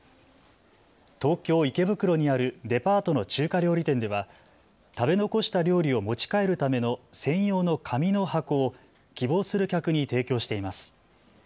東京池袋にあるデパートの中華料理店では食べ残した料理を持ち帰るための専用の紙の箱を希望する客に提供しています。